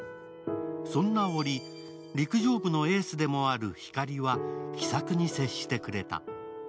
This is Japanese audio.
そんな折、陸上部のエースでもあるひかりは気さくに接してくれた。